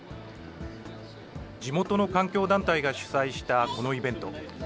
地元の環境団体が主催したこのイベント。